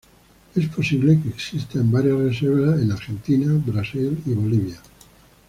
Es posible que exista en varias reservas en Argentina, Brasil y Bolivia.